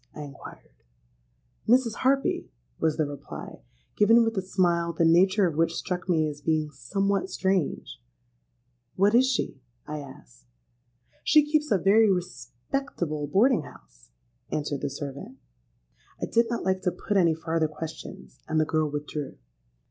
I inquired.—'Mrs. Harpy,' was the reply, given with a smile the nature of which struck me as being somewhat strange.—'What is she?' I asked.—'She keeps a very respectable boarding house,' answered the servant.—I did not like to put any farther questions; and the girl withdrew.